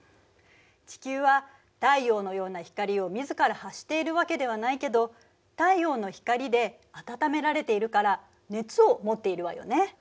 地球は太陽のような光を自ら発しているわけではないけど太陽の光で暖められているから熱を持っているわよね。